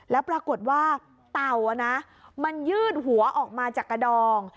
แล้วปรากฏว่าเต่ามันยืดหัวออกมาจากกระดอง